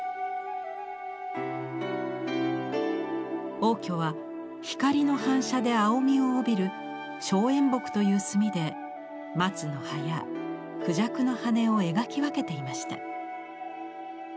応挙は光の反射で青みを帯びる「松煙墨」という墨で松の葉や孔雀の羽を描き分けていました。